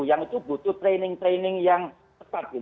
yang itu butuh training training yang tepat